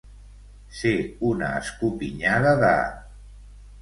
Ser una escopinyada de.